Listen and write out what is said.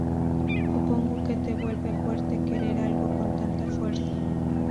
Supongo que te vuelve fuerte querer algo con tanta fuerza.